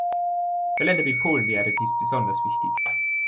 Für Länder wie Polen wäre dies besonders wichtig.